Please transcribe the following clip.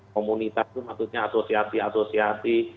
komunitas itu maksudnya asosiasi asosiasi